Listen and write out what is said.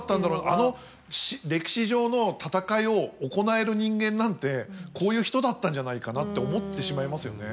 あの歴史上の戦いを行える人間なんてこういう人だったんじゃないかなって思ってしまいますよね。